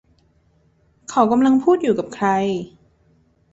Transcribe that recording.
เขากำลังพูดอยู่กับใคร